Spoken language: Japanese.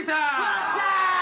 よっしゃ！